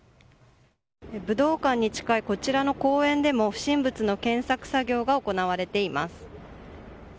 武道館に近いこちらの公園でも不審物の検索作業が行われています。